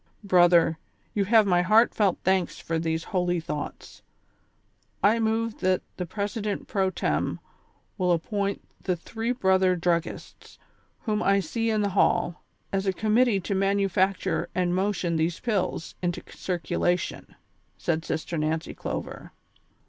Brother, you have my heart > felt thanks for these holy thoughts. I move then that the president pro tern, will appoint tlie three brother druggists, whom I see in the hall, as a committee to manufacture and motion these pills into circulation," said Sister Nancy Clover.